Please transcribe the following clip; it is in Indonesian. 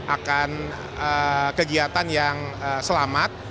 akan kegiatan yang selamat